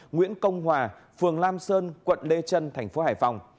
nguyễn công hòa phường lam sơn quận lê trân thành phố hải phòng